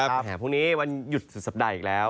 พรุ่งนี้วันหยุดสุดสัปดาห์อีกแล้ว